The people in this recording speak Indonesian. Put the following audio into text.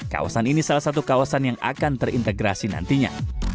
kawasan ini salah satu kawasan yang akan terintegrasi nantinya